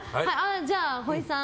じゃあ、ほいさん。